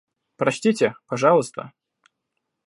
Прочтите, пожалуйста.